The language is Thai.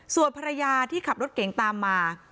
ส่วนภรรยาที่ขับรถเก่งตามมา